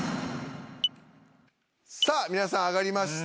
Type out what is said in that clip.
さあ、皆さん、上がりました。